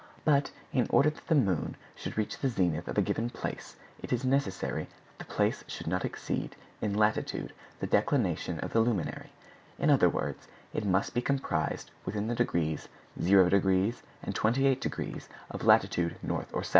But, in order that the moon should reach the zenith of a given place, it is necessary that the place should not exceed in latitude the declination of the luminary; in other words, it must be comprised within the degrees 0° and 28° of lat. N. or S.